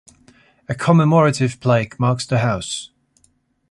A commemorative plaque marks the house.